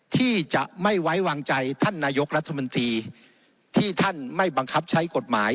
ที่จะไม่ไว้วางใจท่านนายกรัฐมนตรีที่ท่านไม่บังคับใช้กฎหมาย